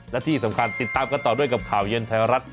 และที่สำคัญติดตามกันต่อด้วยกับข่าวเย็นไทยรัฐ